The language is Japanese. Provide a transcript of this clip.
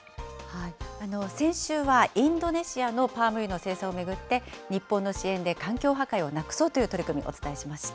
先週はインドネシアのパーム油の製造を巡って、日本の支援で環境破壊をなくそうという取り組みお伝えしました。